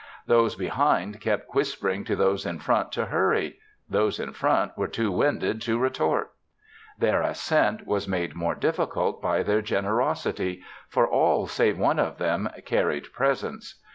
Those behind kept whispering to those in front to hurry; those in front were too winded to retort. Their ascent was made more difficult by their generosity, for all save one of them carried presents.